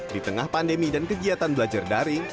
di tengah pandemi dan kegiatan belajar daring